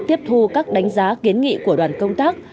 tiếp thu các đánh giá kiến nghị của đoàn công tác